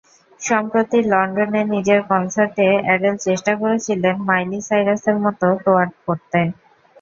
সম্প্রতি লন্ডনে নিজের কনসার্টে অ্যাডেল চেষ্টা করেছিলেন মাইলি সাইরাসের মতো টোয়ার্ক করতে।